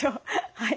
はい。